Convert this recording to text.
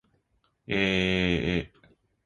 aaaa